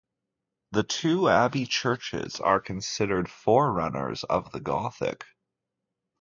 The two abbey churches are considered forerunners of the Gothic.